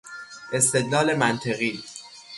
استدلال منطقی